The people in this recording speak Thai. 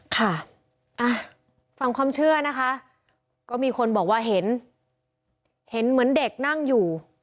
ค่ะฟังความเชื่อนะคะก็มีคนบอกว่าเห็นเห็นเหมือนเด็กนั่งอยู่